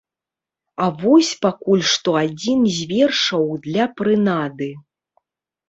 А вось пакуль што адзін з вершаў для прынады.